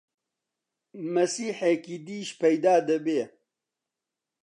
مەسیحێکی دیش پەیدا دەبێ!